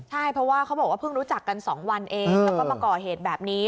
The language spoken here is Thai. ใช่เพราะว่าเขาบอกว่าเพิ่งรู้จักกัน๒วันเองแล้วก็มาก่อเหตุแบบนี้